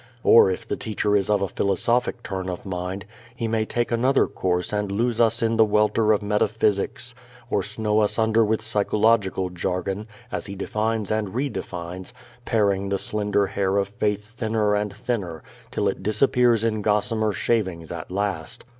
Or if the teacher is of a philosophic turn of mind he may take another course and lose us in a welter of metaphysics or snow us under with psychological jargon as he defines and re defines, paring the slender hair of faith thinner and thinner till it disappears in gossamer shavings at last.